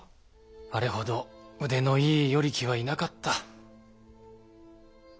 あれほど腕のいい与力はいなかった。